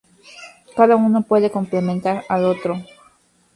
Cada uno puede complementar al otro.